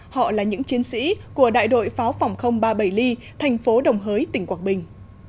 họ là những chiến sĩ của đại đội pháo phòng ba mươi bảy ly thành phố đồng hới tỉnh quảng bình